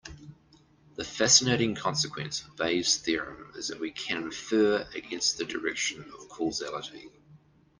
The fascinating consequence of Bayes' theorem is that we can infer against the direction of causality.